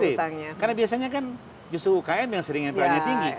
lebih tertib karena biasanya kan justru ukm yang sering intuanya tinggi